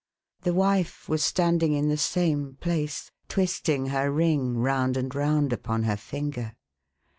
The wife was standing in the same place, twisting her ring round and round upon her finger.